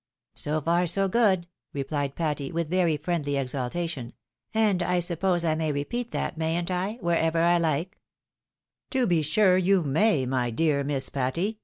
" So far, so good," replied Patty, with very Mendly exulta.* MR. o'donagough's libraet. 263 tion, " and I suppose I may repeat that, mayn't I, wherever I like? "" To be sure you may, my dear Miss Patty